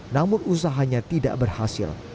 namun usahanya tidak berhasil